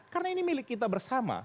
karena ini milik kita bersama